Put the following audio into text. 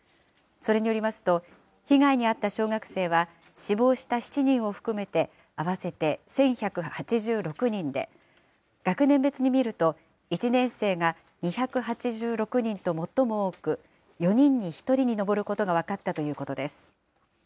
それによりますと、被害に遭った小学生は死亡した７人を含めて、合わせて１１８６人で、学年別に見ると、１年生が２８６人と最も多く、４人に１人に上ることが分かったということです。